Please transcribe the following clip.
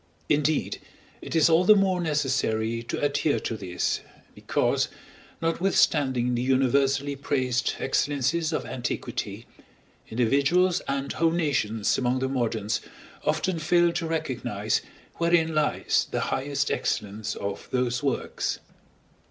Indeed, it is all the more necessary to adhere to this, because, notwithstanding the universally praised excellences of antiquity, individuals and whole nations among the moderns often fail to recognize wherein lies the highest excellence of those works.